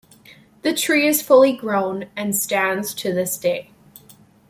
The tree is fully grown and stands to this day.